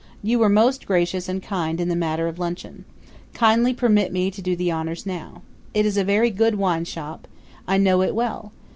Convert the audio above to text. You were most gracious and kind in the matter of luncheon. Kindly permit me to do the honors now. It is a very good wine shop I know it well.